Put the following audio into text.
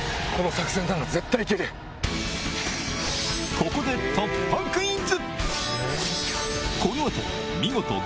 ここで突破クイズ！